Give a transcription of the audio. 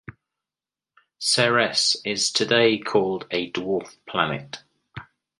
Ceres is today called a dwarf planet.